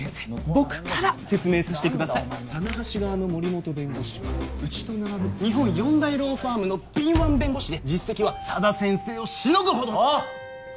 僕から説明させてください棚橋側の森本弁護士はうちと並ぶ日本４大ローファームの敏腕弁護士で実績は佐田先生をしのぐほどああ？